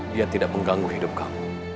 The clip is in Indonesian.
dia tidak mengganggu hidup kamu